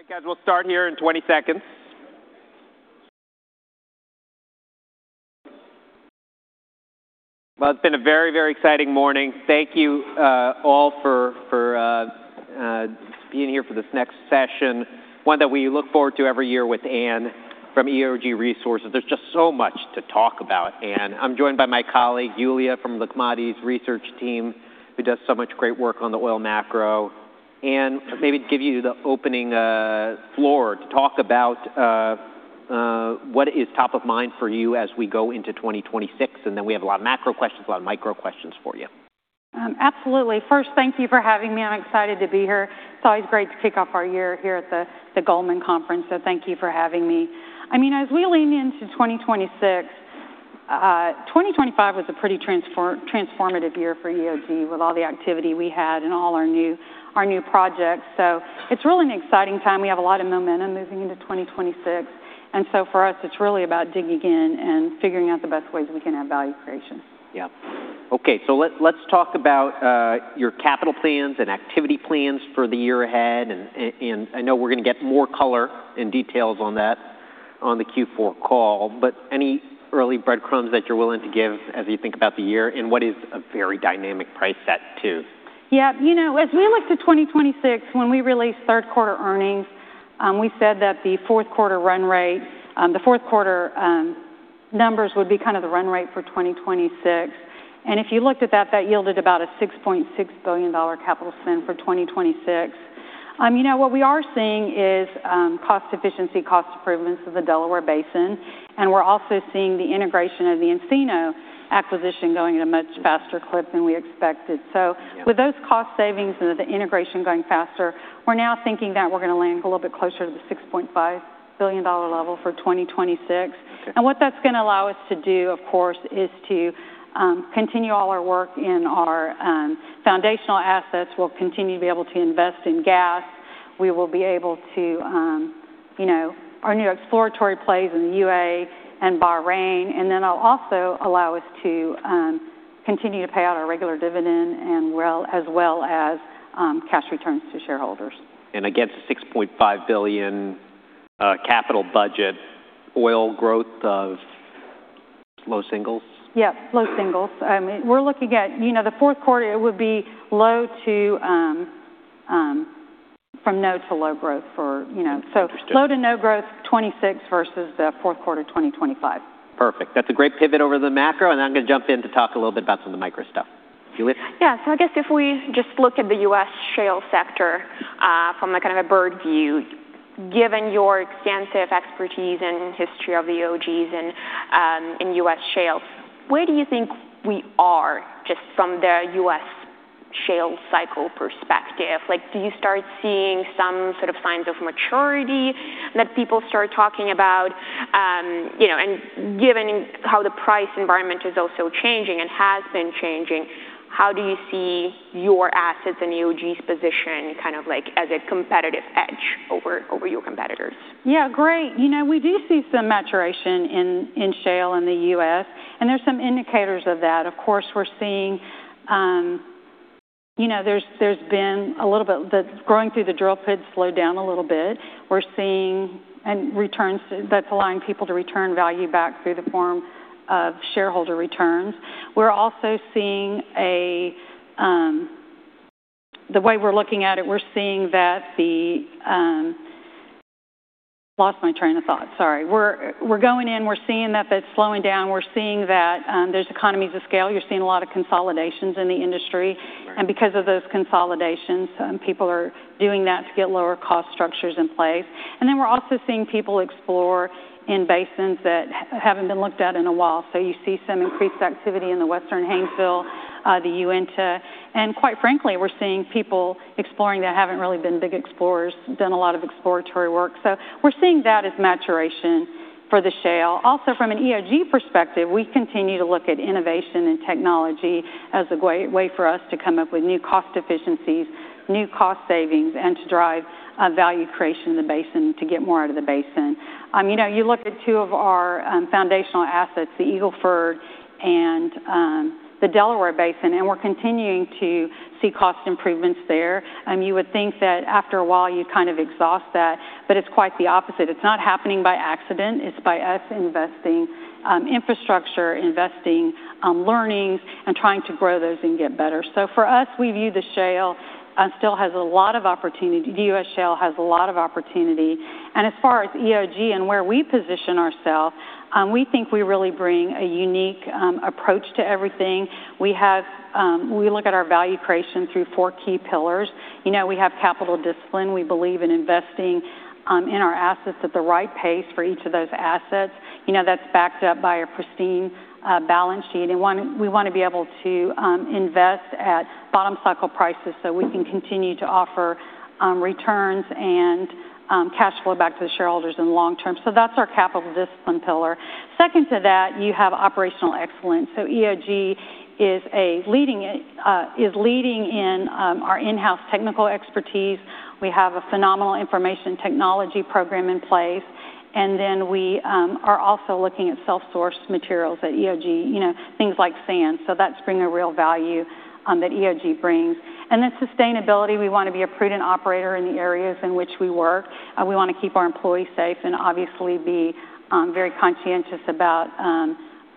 All right, guys, we'll start here in 20 seconds. It's been a very, very exciting morning. Thank you all for being here for this next session, one that we look forward to every year with Ann from EOG Resources. There's just so much to talk about, Ann. I'm joined by my colleague, Yulia, from the Commodities Research Team, who does so much great work on the oil macro. Ann, maybe give you the opening floor to talk about what is top of mind for you as we go into 2026, and then we have a lot of macro questions, a lot of micro questions for you. Absolutely. First, thank you for having me. I'm excited to be here. It's always great to kick off our year here at the Goldman Conference, so thank you for having me. I mean, as we lean into 2026, 2025 was a pretty transformative year for EOG with all the activity we had and all our new projects. So it's really an exciting time. We have a lot of momentum moving into 2026. And so for us, it's really about digging in and figuring out the best ways we can have value creation. Yeah. Okay, so let's talk about your capital plans and activity plans for the year ahead. And I know we're gonna get more color and details on that on the Q4 call, but any early breadcrumbs that you're willing to give as you think about the year and what is a very dynamic price set too? Yeah, you know, as we look to 2026, when we released third quarter earnings, we said that the fourth quarter run rate, the fourth quarter numbers, would be kind of the run rate for 2026, and if you looked at that, that yielded about a $6.6 billion capital spend for 2026. You know, what we are seeing is cost efficiency, cost improvements in the Delaware Basin, and we're also seeing the integration of the Encino Energy acquisition going at a much faster clip than we expected, so with those cost savings and the integration going faster, we're now thinking that we're gonna land a little bit closer to the $6.5 billion level for 2026, and what that's gonna allow us to do, of course, is to continue all our work in our foundational assets. We'll continue to be able to invest in gas. We will be able to, you know, our new exploratory plays in the UAE and Bahrain, and then it'll also allow us to continue to pay out our regular dividend and, well, as well as cash returns to shareholders. Against the $6.5 billion capital budget, oil growth of low singles? Yeah, low singles. I mean, we're looking at, you know, the fourth quarter. It would be low to, from no to low growth for, you know, so low to no growth 2026 versus the fourth quarter of 2025. Perfect. That's a great pivot over to the macro. And then I'm gonna jump in to talk a little bit about some of the micro stuff. Yulia? Yeah, so I guess if we just look at the U.S. shale sector from a kind of a bird's-eye view, given your extensive expertise and history of EOG's and U.S. shales, where do you think we are just from the U.S. shale cycle perspective? Like, do you start seeing some sort of signs of maturity that people start talking about, you know, and given how the price environment is also changing and has been changing, how do you see your assets and EOG's position kind of like as a competitive edge over your competitors? Yeah, great. You know, we do see some maturation in shale in the US, and there's some indicators of that. Of course, we're seeing, you know, there's been a little bit that growing through the drill bit slowed down a little bit. We're seeing in returns that's allowing people to return value back in the form of shareholder returns. We're also seeing, the way we're looking at it, we're seeing that the, lost my train of thought. Sorry. We're seeing that that's slowing down. We're seeing that there's economies of scale. You're seeing a lot of consolidations in the industry. And because of those consolidations, people are doing that to get lower cost structures in place. And then we're also seeing people explore in basins that haven't been looked at in a while. So you see some increased activity in the Western Haynesville, the Uinta. And quite frankly, we're seeing people exploring that haven't really been big explorers, done a lot of exploratory work. So we're seeing that as maturation for the shale. Also, from an EOG perspective, we continue to look at innovation and technology as a way, way for us to come up with new cost efficiencies, new cost savings, and to drive a value creation in the basin to get more out of the basin. You know, you look at two of our foundational assets, the Eagle Ford and the Delaware Basin, and we're continuing to see cost improvements there. You would think that after a while you kind of exhaust that, but it's quite the opposite. It's not happening by accident. It's by us investing infrastructure, investing learnings and trying to grow those and get better. So for us, we view the shale still has a lot of opportunity. The US shale has a lot of opportunity. And as far as EOG and where we position ourselves, we think we really bring a unique approach to everything. We look at our value creation through four key pillars. You know, we have capital discipline. We believe in investing in our assets at the right pace for each of those assets. You know, that's backed up by a pristine balance sheet. And we want to be able to invest at bottom cycle prices so we can continue to offer returns and cash flow back to the shareholders in the long term. So that's our capital discipline pillar. Second to that, you have operational excellence. So EOG is leading in our in-house technical expertise. We have a phenomenal information technology program in place. And then we are also looking at self-sourced materials at EOG, you know, things like sand. So that's bringing a real value that EOG brings. And then sustainability. We want to be a prudent operator in the areas in which we work. We want to keep our employees safe and obviously be very conscientious about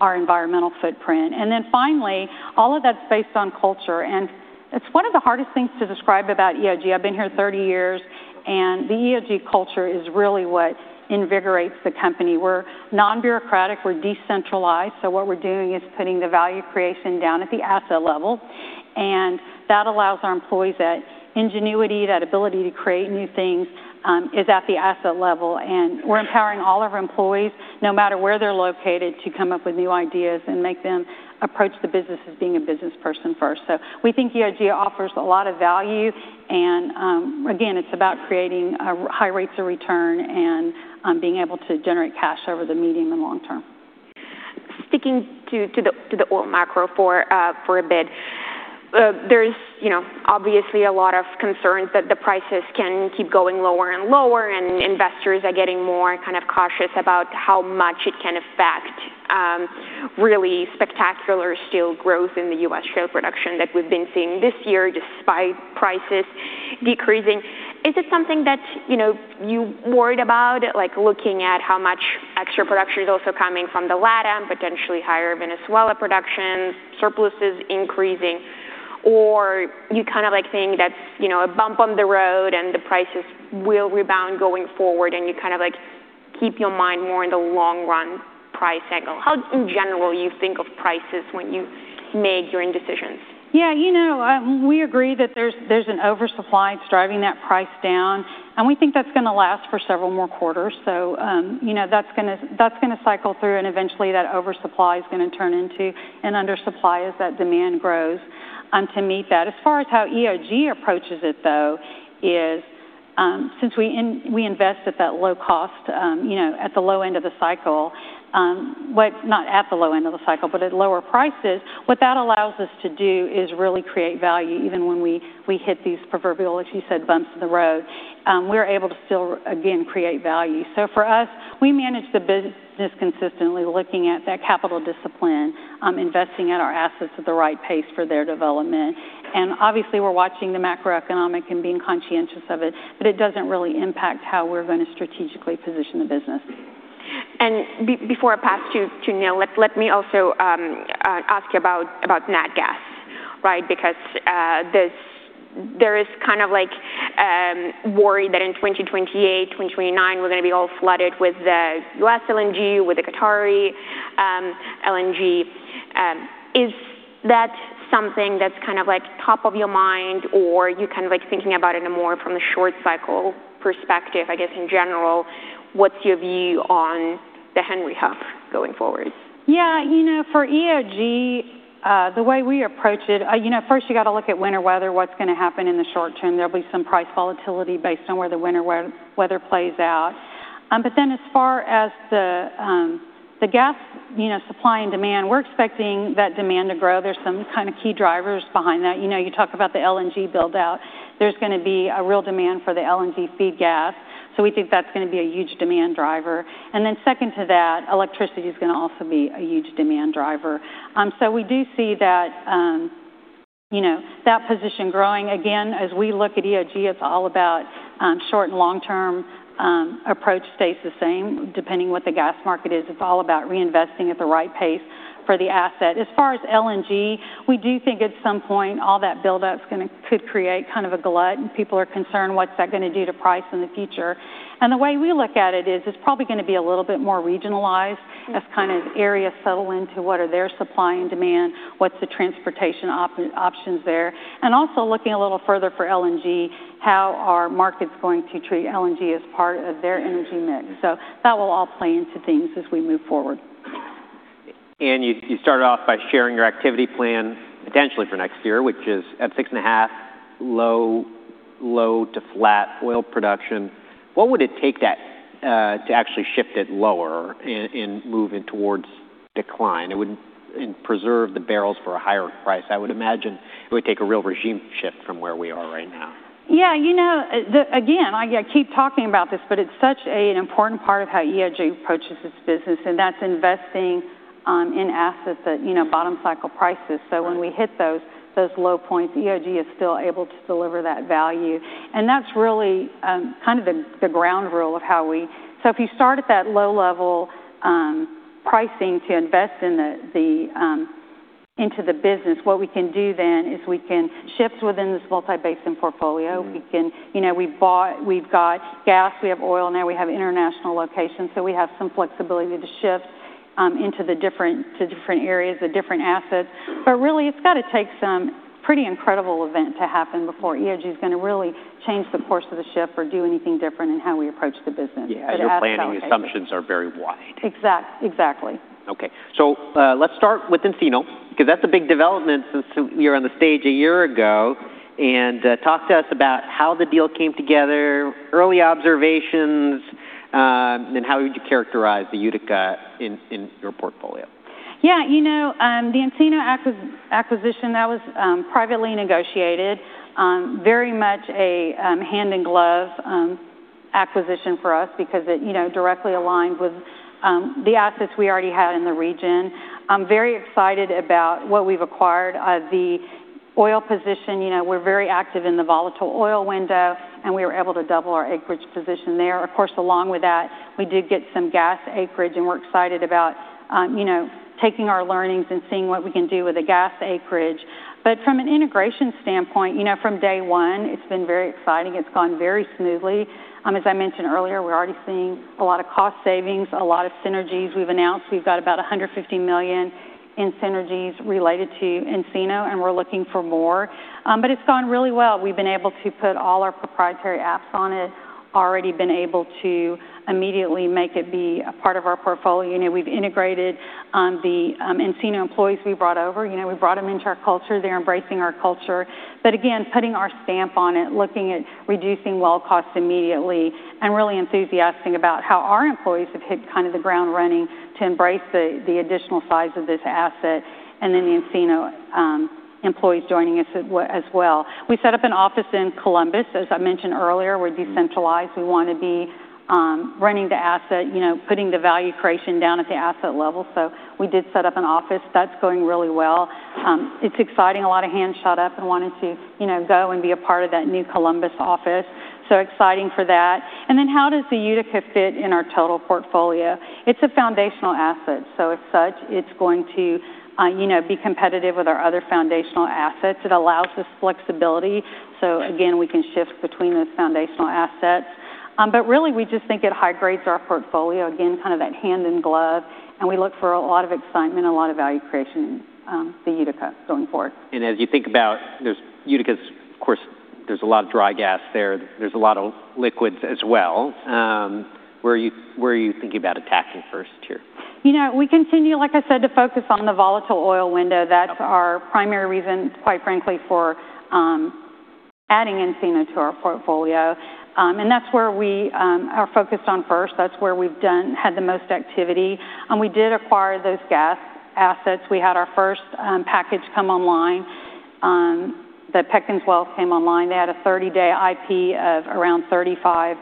our environmental footprint. And then finally, all of that's based on culture. And it's one of the hardest things to describe about EOG. I've been here 30 years, and the EOG culture is really what invigorates the company. We're non-bureaucratic. We're decentralized. So what we're doing is putting the value creation down at the asset level. And that allows our employees that ingenuity, that ability to create new things, is at the asset level. And we're empowering all of our employees, no matter where they're located, to come up with new ideas and make them approach the business as being a business person first. So we think EOG offers a lot of value. And, again, it's about creating high rates of return and being able to generate cash over the medium and long term. Sticking to the oil macro for a bit, there's, you know, obviously a lot of concerns that the prices can keep going lower and lower, and investors are getting more kind of cautious about how much it can affect really spectacular still growth in the U.S. shale production that we've been seeing this year despite prices decreasing. Is it something that, you know, you worried about, like looking at how much extra production is also coming from the LATAM, potentially higher Venezuela production, surpluses increasing, or you kind of like think that's, you know, a bump on the road and the prices will rebound going forward and you kind of like keep your mind more in the long run price angle? How in general you think of prices when you make your own decisions? Yeah, you know, we agree that there's an oversupply driving that price down, and we think that's gonna last for several more quarters. So, you know, that's gonna cycle through, and eventually that oversupply is gonna turn into an undersupply as that demand grows to meet that. As far as how EOG approaches it though is, since we invest at that low cost, you know, at the low end of the cycle, what, not at the low end of the cycle, but at lower prices, what that allows us to do is really create value even when we hit these proverbial, like you said, bumps in the road. We're able to still, again, create value. So for us, we manage the business consistently looking at that capital discipline, investing at our assets at the right pace for their development. Obviously we're watching the macroeconomic and being conscientious of it, but it doesn't really impact how we're gonna strategically position the business. Before I pass to Neil, let me also ask you about nat gas, right? Because there is kind of like worry that in 2028, 2029, we're gonna be all flooded with the U.S. LNG, with the Qatari LNG. Is that something that's kind of like top of your mind or you kind of like thinking about it more from a short cycle perspective? I guess in general, what's your view on the Henry Hub going forward? Yeah, you know, for EOG, the way we approach it, you know, first you gotta look at winter weather, what's gonna happen in the short term. There'll be some price volatility based on where the winter weather, weather plays out, but then as far as the gas, you know, supply and demand, we're expecting that demand to grow. There's some kind of key drivers behind that. You know, you talk about the LNG buildout, there's gonna be a real demand for the LNG feed gas. So we think that's gonna be a huge demand driver. And then second to that, electricity is gonna also be a huge demand driver, so we do see that, you know, that position growing. Again, as we look at EOG, it's all about short and long term, approach stays the same depending what the gas market is. It's all about reinvesting at the right pace for the asset. As far as LNG, we do think at some point all that buildup's gonna, could create kind of a glut and people are concerned what's that gonna do to price in the future, and the way we look at it is it's probably gonna be a little bit more regionalized as kind of areas settle into what are their supply and demand, what's the transportation options there, and also looking a little further for LNG, how are markets going to treat LNG as part of their energy mix, so that will all play into things as we move forward. And you started off by sharing your activity plan potentially for next year, which is at six and a half, low to flat oil production. What would it take to actually shift it lower and move in towards decline? It wouldn't preserve the barrels for a higher price. I would imagine it would take a real regime shift from where we are right now. Yeah, you know, the, again, I keep talking about this, but it's such an important part of how EOG approaches its business, and that's investing in assets that, you know, bottom cycle prices. So when we hit those low points, EOG is still able to deliver that value. And that's really, kind of the ground rule of how we, so if you start at that low level, pricing to invest in the, into the business, what we can do then is we can shift within this multi-basin portfolio. We can, you know, we bought, we've got gas, we have oil, now we have international locations. So we have some flexibility to shift into the different, to different areas of different assets. But really it's gotta take some pretty incredible event to happen before EOG is gonna really change the course of the ship or do anything different in how we approach the business. Yeah, your planning assumptions are very wide. Exact, exactly. Okay, so let's start with Encino because that's a big development since we were on the stage a year ago, and talk to us about how the deal came together, early observations, and how would you characterize the Utica in your portfolio? Yeah, you know, the Encino acquisition, that was privately negotiated, very much a hand-in-glove acquisition for us because it, you know, directly aligned with the assets we already had in the region. I'm very excited about what we've acquired. The oil position, you know, we're very active in the volatile oil window, and we were able to double our acreage position there. Of course, along with that, we did get some gas acreage, and we're excited about, you know, taking our learnings and seeing what we can do with the gas acreage. But from an integration standpoint, you know, from day one, it's been very exciting. It's gone very smoothly. As I mentioned earlier, we're already seeing a lot of cost savings, a lot of synergies. We've announced we've got about $150 million in synergies related to Encino, and we're looking for more. But it's gone really well. We've been able to put all our proprietary apps on it, already been able to immediately make it be a part of our portfolio. You know, we've integrated the Encino employees we brought over. You know, we brought them into our culture. They're embracing our culture. But again, putting our stamp on it, looking at reducing well costs immediately and really enthusiastic about how our employees have hit kind of the ground running to embrace the additional size of this asset, and then the Encino employees joining us as well. We set up an office in Columbus, as I mentioned earlier. We're decentralized. We want to be running the asset, you know, putting the value creation down at the asset level. So we did set up an office that's going really well. It's exciting. A lot of hands shot up and wanted to, you know, go and be a part of that new Columbus office. So exciting for that. And then how does the Utica fit in our total portfolio? It's a foundational asset. So as such, it's going to, you know, be competitive with our other foundational assets. It allows us flexibility. So again, we can shift between those foundational assets. But really we just think it high grades our portfolio. Again, kind of that hand in glove. And we look for a lot of excitement, a lot of value creation in the Utica going forward. As you think about the Utica, of course, there's a lot of dry gas there. There's a lot of liquids as well. Where are you thinking about attacking first here? You know, we continue, like I said, to focus on the volatile oil window. That's our primary reason, quite frankly, for adding Encino to our portfolio, and that's where we are focused on first. That's where we've done had the most activity. We did acquire those gas assets. We had our first package come online. The Peckham wells came online. They had a 30-day IP of around 35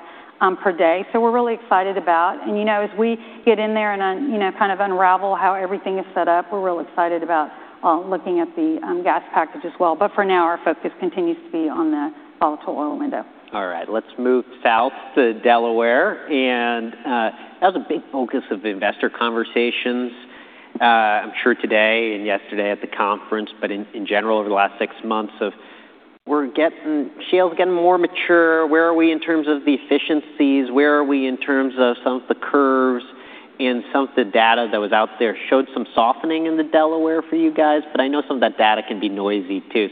per day. So we're really excited about, and you know, as we get in there and, you know, kind of unravel how everything is set up, we're really excited about looking at the gas package as well. But for now, our focus continues to be on the volatile oil window. All right. Let's move south to Delaware. That was a big focus of investor conversations, I'm sure today and yesterday at the conference, but in general over the last six months where we're getting shales getting more mature. Where are we in terms of the efficiencies? Where are we in terms of some of the curves, and some of the data that was out there showed some softening in the Delaware for you guys? But I know some of that data can be noisy too,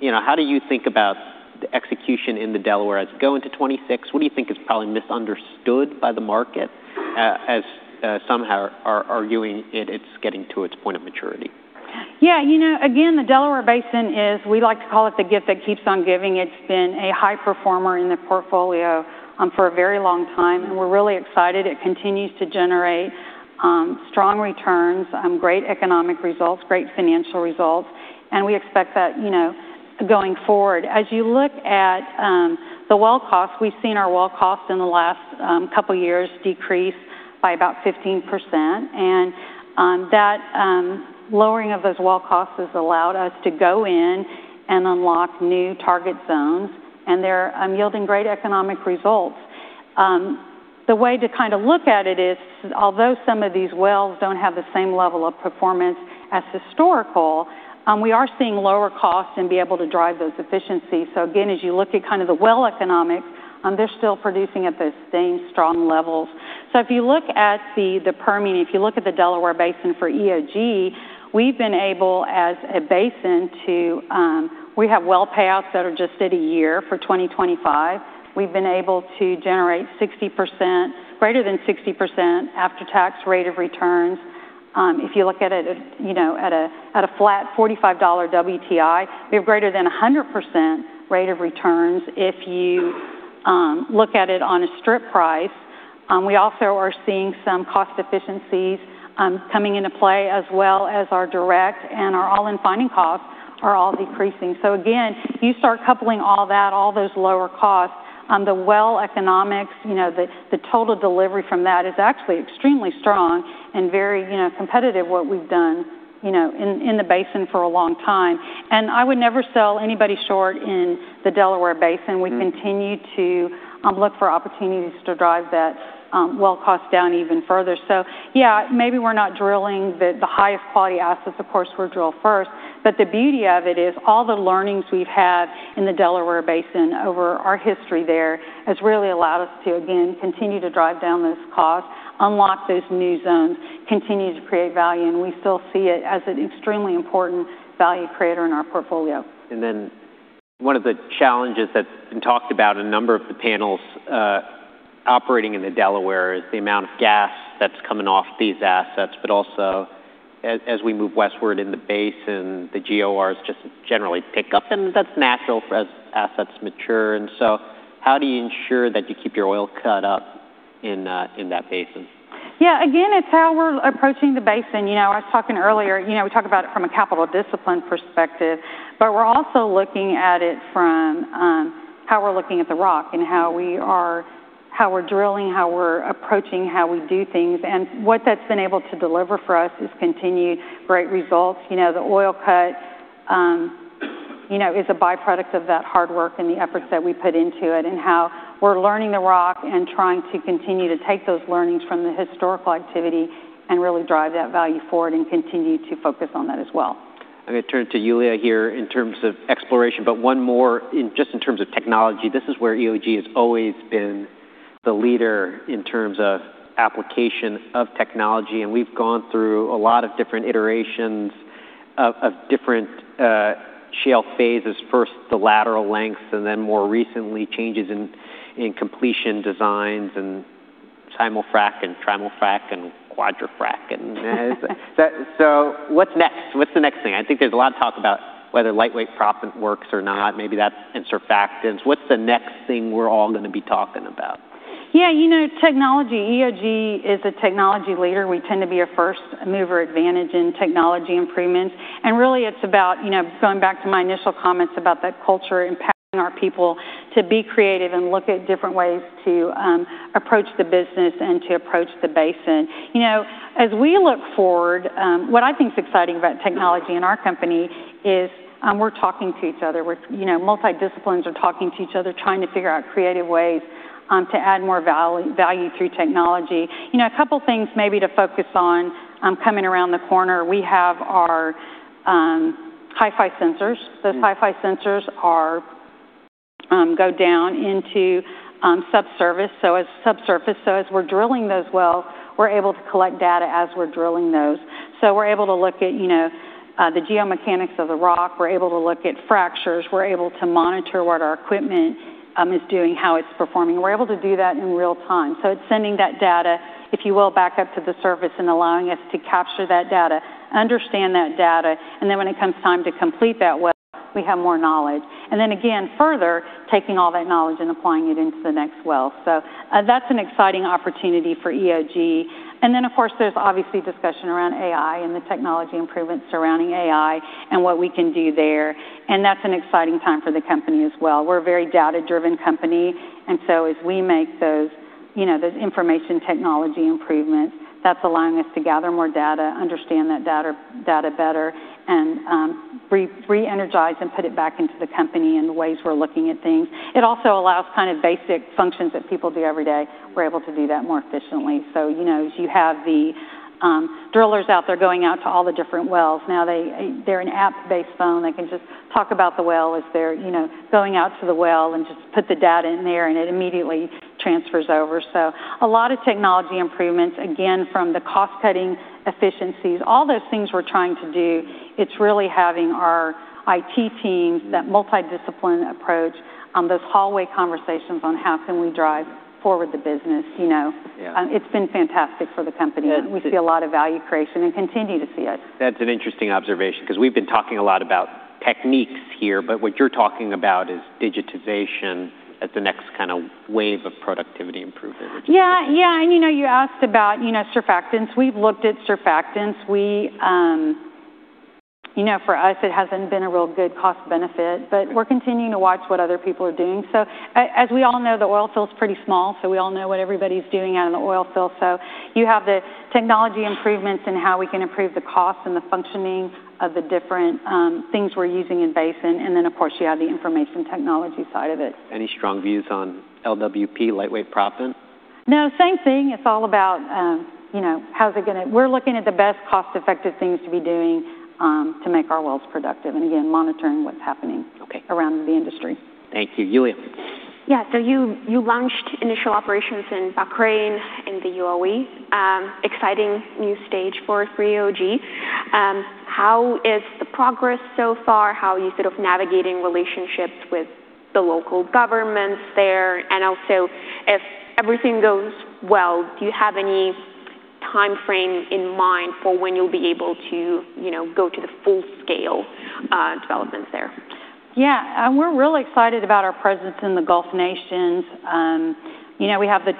you know, how do you think about the execution in the Delaware as going to 2026? What do you think is probably misunderstood by the market, as some are arguing it's getting to its point of maturity? Yeah, you know, again, the Delaware Basin is what we like to call the gift that keeps on giving. It's been a high performer in the portfolio, for a very long time. And we're really excited. It continues to generate strong returns, great economic results, great financial results. And we expect that, you know, going forward. As you look at the well cost, we've seen our well cost in the last couple years decrease by about 15%. And that lowering of those well costs has allowed us to go in and unlock new target zones. And they're yielding great economic results. The way to kind of look at it is, although some of these wells don't have the same level of performance as historical, we are seeing lower costs and be able to drive those efficiencies. So again, as you look at kind of the well economics, they're still producing at those same strong levels. So if you look at the Permian, if you look at the Delaware Basin for EOG, we've been able as a basin to, we have well payouts that are just at a year for 2025. We've been able to generate 60%, greater than 60% after tax rate of returns. If you look at it, you know, at a flat $45 WTI, we have greater than 100% rate of returns if you look at it on a strip price. We also are seeing some cost efficiencies, coming into play as well as our direct and our all-in finding costs are all decreasing. So again, you start coupling all that, all those lower costs, the well economics, you know, the total delivery from that is actually extremely strong and very, you know, competitive with what we've done, you know, in the basin for a long time. I would never sell anybody short in the Delaware Basin. We continue to look for opportunities to drive that well cost down even further. Yeah, maybe we're not drilling the highest quality assets. Of course, we're drilling first. But the beauty of it is all the learnings we've had in the Delaware Basin over our history there has really allowed us to, again, continue to drive down those costs, unlock those new zones, continue to create value. We still see it as an extremely important value creator in our portfolio. And then one of the challenges that's been talked about in a number of the panels, operating in the Delaware is the amount of gas that's coming off these assets, but also as we move westward in the basin, the GORs just generally pick up then. That's natural as assets mature. And so how do you ensure that you keep your oil cut up in that basin? Yeah, again, it's how we're approaching the basin. You know, I was talking earlier, you know, we talk about it from a capital discipline perspective, but we're also looking at it from, how we're looking at the rock and how we are, how we're drilling, how we're approaching, how we do things. And what that's been able to deliver for us is continued great results. You know, the oil cut, you know, is a byproduct of that hard work and the efforts that we put into it and how we're learning the rock and trying to continue to take those learnings from the historical activity and really drive that value forward and continue to focus on that as well. I'm gonna turn to Yulia here in terms of exploration, but one more just in terms of technology. This is where EOG has always been the leader in terms of application of technology. We've gone through a lot of different iterations of different shale phases. First, the lateral lengths and then more recently changes in completion designs and simul-frac and trimul-frac and quadra-frac. So what's next? What's the next thing? I think there's a lot of talk about whether lightweight proppant works or not. Maybe that's in surfactants. What's the next thing we're all gonna be talking about? Yeah, you know, technology. EOG is a technology leader. We tend to be a first mover advantage in technology improvements. And really it's about, you know, going back to my initial comments about that culture impacting our people to be creative and look at different ways to approach the business and to approach the basin. You know, as we look forward, what I think's exciting about technology in our company is we're talking to each other. We're, you know, multidisciplines are talking to each other trying to figure out creative ways to add more value, value through technology. You know, a couple things maybe to focus on coming around the corner. We have our Hifi sensors. Those Hifi sensors go down into the subsurface. So as we're drilling those wells, we're able to collect data as we're drilling those. So we're able to look at, you know, the geomechanics of the rock. We're able to look at fractures. We're able to monitor what our equipment is doing, how it's performing. We're able to do that in real time. So it's sending that data, if you will, back up to the surface and allowing us to capture that data, understand that data. And then when it comes time to complete that well, we have more knowledge. And then again, further taking all that knowledge and applying it into the next well. So that's an exciting opportunity for EOG. And then, of course, there's obviously discussion around AI and the technology improvements surrounding AI and what we can do there. And that's an exciting time for the company as well. We're a very data-driven company. And so as we make those, you know, those information technology improvements, that's allowing us to gather more data, understand that data better, and re-energize and put it back into the company and the ways we're looking at things. It also allows kind of basic functions that people do every day. We're able to do that more efficiently. So, you know, as you have the drillers out there going out to all the different wells, now they're an app-based phone. They can just talk about the well as they're, you know, going out to the well and just put the data in there and it immediately transfers over. So, a lot of technology improvements, again, from the cost-cutting efficiencies, all those things we're trying to do. It's really having our IT teams, that multidiscipline approach, those hallway conversations on how can we drive forward the business, you know. Yeah. It's been fantastic for the company. We see a lot of value creation and continue to see it. That's an interesting observation 'cause we've been talking a lot about techniques here, but what you're talking about is digitization as the next kind of wave of productivity improvement. Yeah. Yeah. And you know, you asked about, you know, surfactants. We've looked at surfactants. We, you know, for us, it hasn't been a real good cost benefit, but we're continuing to watch what other people are doing. So, as we all know, the oil field's pretty small, so we all know what everybody's doing out in the oil field. So you have the technology improvements and how we can improve the cost and the functioning of the different things we're using in basin. And then, of course, you have the information technology side of it. Any strong views on LWP lightweight proppant? No. Same thing. It's all about, you know, how's it gonna? We're looking at the best cost-effective things to be doing, to make our wells productive, and again, monitoring what's happening. Okay. Around the industry. Thank you, Yulia. Yeah. So you launched initial operations in Bahrain in the UAE. Exciting new stage for EOG. How is the progress so far? How are you sort of navigating relationships with the local governments there? And also if everything goes well, do you have any timeframe in mind for when you'll be able to, you know, go to the full-scale developments there? Yeah. We're really excited about our presence in the Gulf Nations. You know, we have the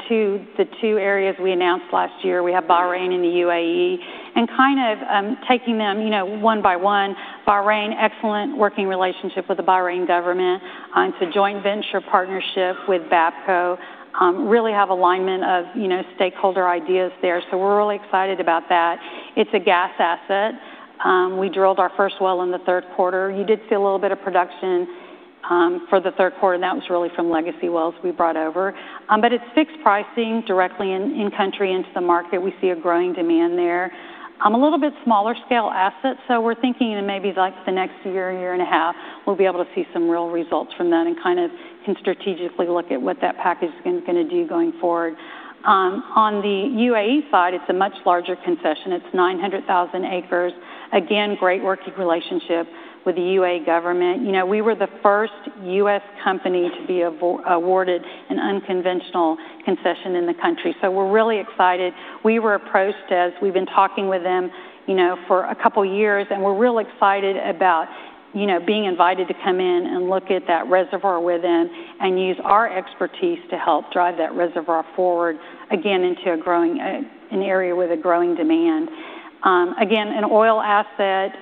two areas we announced last year. We have Bahrain and the UAE and kind of, taking them, you know, one by one. Bahrain, excellent working relationship with the Bahrain government. It's a joint venture partnership with Bapco. Really have alignment of, you know, stakeholder ideas there. So we're really excited about that. It's a gas asset. We drilled our first well in the third quarter. You did see a little bit of production, for the third quarter, and that was really from legacy wells we brought over. But it's fixed pricing directly in, in country into the market. We see a growing demand there. A little bit smaller scale asset. So we're thinking in maybe like the next year, year and a half, we'll be able to see some real results from that and kind of can strategically look at what that package is gonna do going forward. On the UAE side, it's a much larger concession. It's 900,000 acres. Again, great working relationship with the UAE government. You know, we were the first U.S. company to be awarded an unconventional concession in the country. So we're really excited. We were approached as we've been talking with them, you know, for a couple years, and we're real excited about, you know, being invited to come in and look at that reservoir with them and use our expertise to help drive that reservoir forward again into a growing, an area with a growing demand. Again, an oil asset,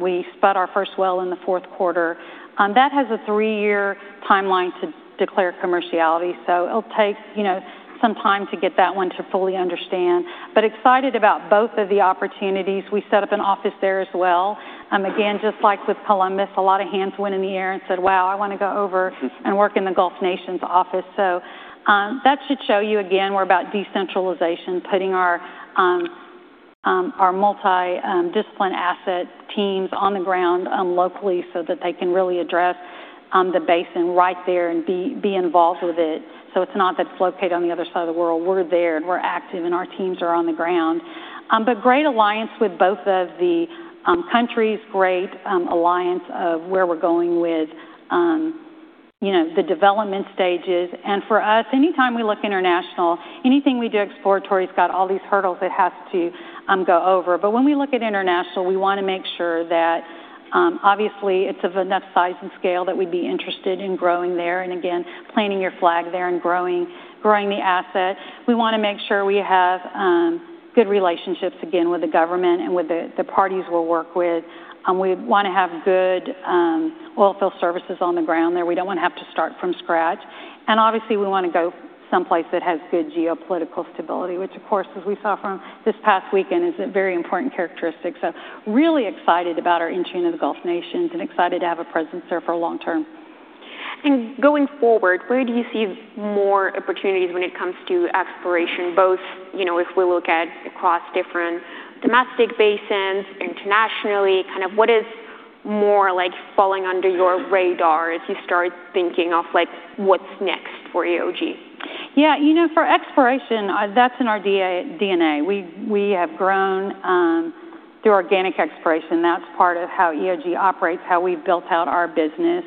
we spud our first well in the fourth quarter. That has a three-year timeline to declare commerciality. So it'll take, you know, some time to get that one to fully understand. But excited about both of the opportunities. We set up an office there as well. Again, just like with Columbus, a lot of hands went in the air and said, "Wow, I wanna go over and work in the Gulf Nations office." So, that should show you again, we're about decentralization, putting our multi-discipline asset teams on the ground, locally so that they can really address the basin right there and be involved with it. So it's not that it's located on the other side of the world. We're there and we're active and our teams are on the ground. But great alliance with both of the countries, great alliance of where we're going with, you know, the development stages. And for us, anytime we look international, anything we do exploratory has got all these hurdles it has to go over. But when we look at international, we wanna make sure that, obviously, it's of enough size and scale that we'd be interested in growing there. And again, planting your flag there and growing, growing the asset. We wanna make sure we have good relationships again with the government and with the parties we'll work with. We wanna have good oil field services on the ground there. We don't wanna have to start from scratch. And obviously we wanna go someplace that has good geopolitical stability, which of course, as we saw from this past weekend, is a very important characteristic. So really excited about our entry into the Gulf Nations and excited to have a presence there for long term. Going forward, where do you see more opportunities when it comes to exploration, both, you know, if we look across different domestic basins, internationally, kind of what is more like falling under your radar as you start thinking of like what's next for EOG? Yeah. You know, for exploration, that's in our DNA. We have grown through organic exploration. That's part of how EOG operates, how we've built out our business.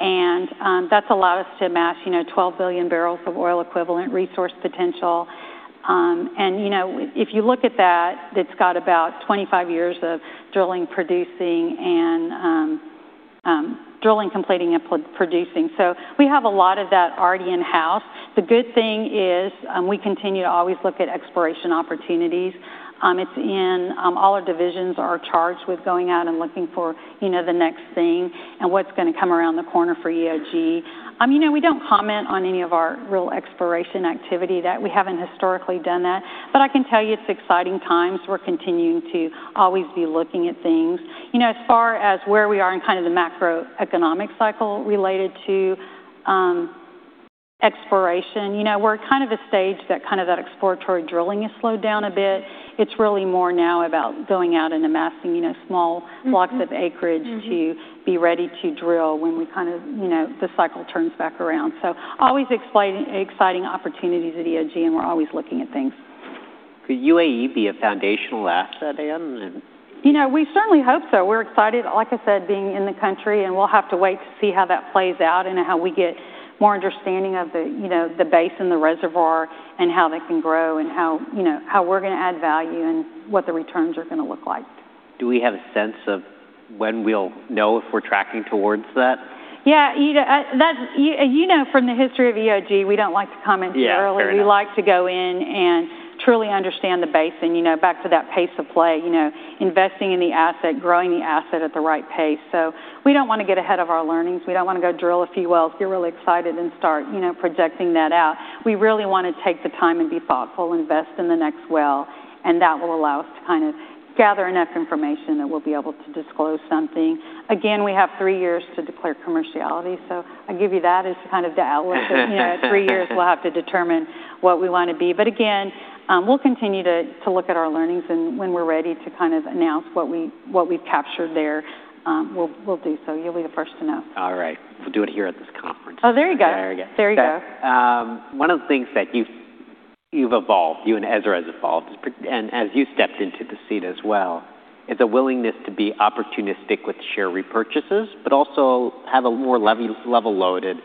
And that's allowed us to amass, you know, 12 billion barrels of oil equivalent resource potential. You know, if you look at that, it's got about 25 years of drilling, producing, and drilling, completing, and producing. So we have a lot of that already in-house. The good thing is, we continue to always look at exploration opportunities. It's in all our divisions are charged with going out and looking for, you know, the next thing and what's gonna come around the corner for EOG. You know, we don't comment on any of our real exploration activity that we haven't historically done that. But I can tell you it's exciting times. We're continuing to always be looking at things. You know, as far as where we are in kind of the macroeconomic cycle related to exploration, you know, we're kind of a stage that kind of that exploratory drilling has slowed down a bit. It's really more now about going out and amassing, you know, small blocks of acreage to be ready to drill when we kind of, you know, the cycle turns back around. So always exciting, exciting opportunities at EOG and we're always looking at things. Could UAE be a foundational asset in? You know, we certainly hope so. We're excited, like I said, being in the country, and we'll have to wait to see how that plays out and how we get more understanding of the, you know, the basin and the reservoir and how they can grow and how, you know, how we're gonna add value and what the returns are gonna look like. Do we have a sense of when we'll know if we're tracking towards that? Yeah. You know, that's, you know, from the history of EOG, we don't like to comment too early. Yeah. Fair enough. We like to go in and truly understand the basin. You know, back to that pace of play, you know, investing in the asset, growing the asset at the right pace. So we don't wanna get ahead of our learnings. We don't wanna go drill a few wells, get really excited and start, you know, projecting that out. We really wanna take the time and be thoughtful, invest in the next well, and that will allow us to kind of gather enough information that we'll be able to disclose something. Again, we have three years to declare commerciality. So I give you that as kind of the outlook. Okay. You know, three years we'll have to determine what we wanna be. But again, we'll continue to look at our learnings and when we're ready to kind of announce what we've captured there, we'll do so. You'll be the first to know. All right. We'll do it here at this conference. Oh, there you go. There you go. There you go. One of the things that you've evolved, you and Ezra has evolved, and as you stepped into the seat as well, it's a willingness to be opportunistic with share repurchases, but also have a more level, level loaded,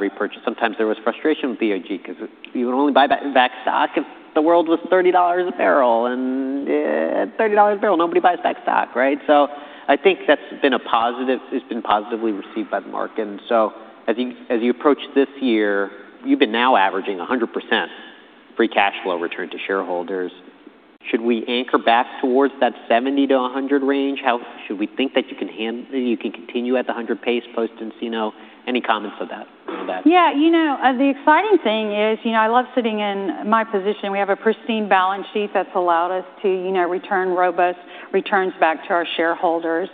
repurchase. Sometimes there was frustration with EOG 'cause you would only buy back stock if the world was $30 a barrel. And, $30 a barrel, nobody buys back stock, right? So I think that's been a positive, it's been positively received by the market. And so as you approach this year, you've been now averaging 100% free cash flow return to shareholders. Should we anchor back towards that 70-100 range? How should we think that you can continue at the 100 pace post and, you know, any comments of that? Yeah. You know, the exciting thing is, you know, I love sitting in my position. We have a pristine balance sheet that's allowed us to, you know, return robust returns back to our shareholders.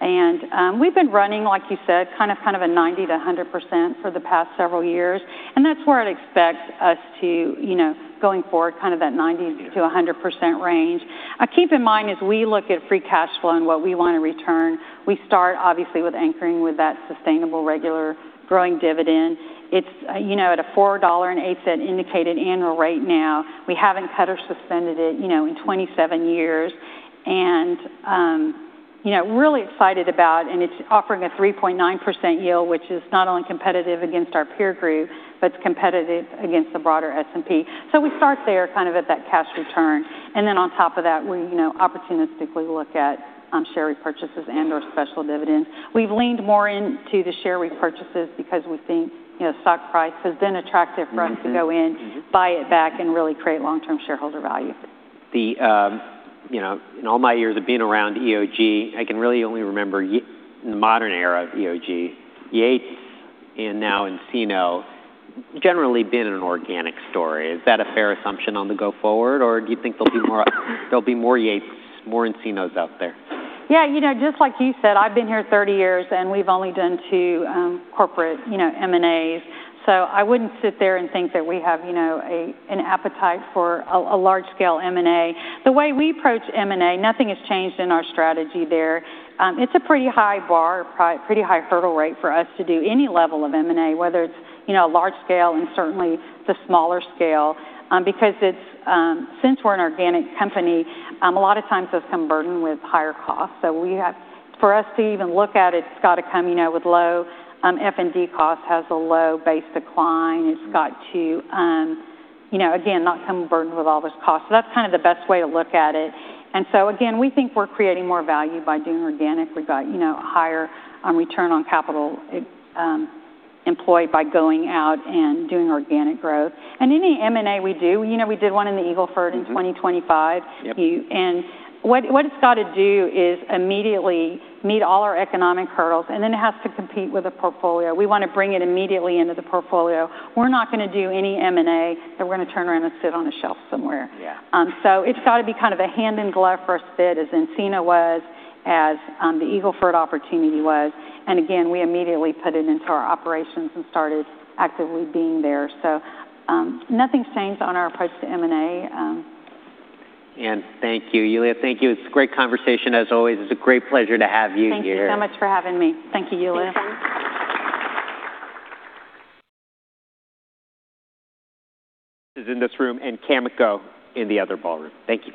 And, we've been running, like you said, kind of, kind of a 90%-100% for the past several years. And that's where I'd expect us to, you know, going forward, kind of that 90%-100% range. I keep in mind as we look at free cash flow and what we wanna return, we start obviously with anchoring with that sustainable, regular, growing dividend. It's, you know, at a $4 annualized indicated annual rate now. We haven't cut or suspended it, you know, in 27 years. And, you know, really excited about, and it's offering a 3.9% yield, which is not only competitive against our peer group, but it's competitive against the broader S&P. So we start there kind of at that cash return. And then on top of that, we, you know, opportunistically look at share repurchases and/or special dividends. We've leaned more into the share repurchases because we think, you know, stock price has been attractive for us to go in, buy it back, and really create long-term shareholder value. You know, in all my years of being around EOG, I can really only remember in the modern era of EOG, Yates and now Encino generally been an organic story. Is that a fair assumption going forward, or do you think there'll be more, there'll be more Yates, more Encinos out there? Yeah. You know, just like you said, I've been here 30 years and we've only done two corporate, you know, M&As. So I wouldn't sit there and think that we have, you know, an appetite for a large scale M&A. The way we approach M&A, nothing has changed in our strategy there. It's a pretty high bar, pretty high hurdle rate for us to do any level of M&A, whether it's, you know, a large scale and certainly the smaller scale. Because it's, since we're an organic company, a lot of times there's some burden with higher costs. So we have, for us to even look at it, it's gotta come, you know, with low F&D costs, has a low base decline. It's got to, you know, again, not come burdened with all those costs. So that's kind of the best way to look at it. And so again, we think we're creating more value by doing organic. We've got, you know, a higher return on capital employed by going out and doing organic growth. And any M&A we do, you know, we did one in the Eagle Ford in 2025. Yep. Yeah, and what it's gotta do is immediately meet all our economic hurdles, and then it has to compete with a portfolio. We wanna bring it immediately into the portfolio. We're not gonna do any M&A that we're gonna turn around and sit on a shelf somewhere. Yeah. So it's gotta be kind of a hand-in-glove fit as Encino was, as the Eagle Ford opportunity was. And again, we immediately put it into our operations and started actively being there. So, nothing's changed on our approach to M&A. Thank you, Yulia. Thank you. It's a great conversation as always. It's a great pleasure to have you here. Thank you so much for having me. Thank you, Yulia. Thank you. Is in this room and Cameco in the other ballroom. Thank you.